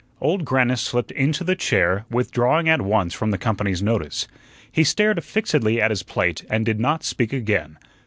Old Grannis slipped into the chair, withdrawing at once from the company's notice. He stared fixedly at his plate and did not speak again.